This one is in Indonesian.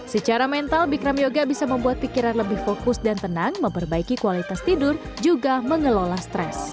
secara mental bikram yoga bisa membuat pikiran lebih fokus dan tenang memperbaiki kualitas tidur juga mengelola stres